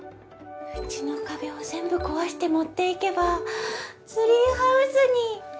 うちの壁を全部壊して持っていけばツリーハウスに。